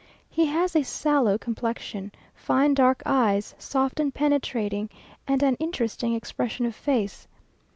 He has a sallow complexion, fine dark eyes, soft and penetrating, and an interesting expression of face.